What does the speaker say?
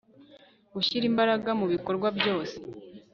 gushyira imbaraga mu bikorwa byose